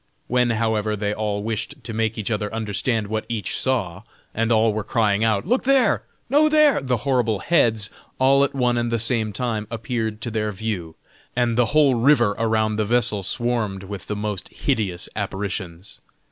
When, however, they all wished to make each other understand what each saw, and all were crying out: "Look there! No, there!" the horrible heads all at one and the same time appeared to their view, and the whole river around the vessel swarmed with the most hideous apparitions.